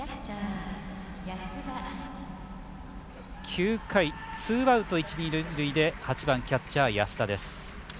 ９回、ツーアウト、一、二塁で８番、キャッチャー、安田。